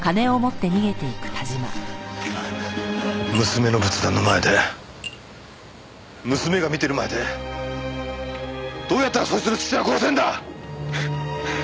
娘の仏壇の前で娘が見てる前でどうやったらそいつの父親を殺せるんだ！